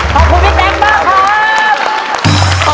ขอบคุณพี่แต๊งมากครับ